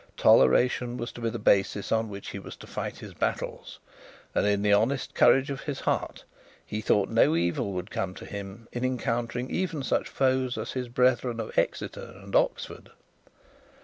Toleration was to be the basis on which he was to fight his battles, and in the honest courage of his heart he thought no evil would come to him in encountering even such foes as his brethren of Exeter and Oxford.